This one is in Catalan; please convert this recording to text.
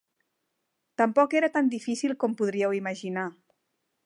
Tampoc era tan difícil com podríeu imaginar.